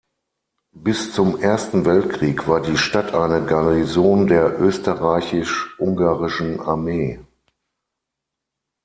Bis zum Ersten Weltkrieg war die Stadt eine Garnison der Österreich-Ungarischen Armee.